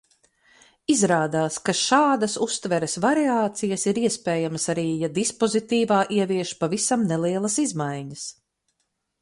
Izrādās, ka šādas uztveres variācijas ir iespējams arī, ja dispozitīvā ievieš pavisam nelielas izmaiņas.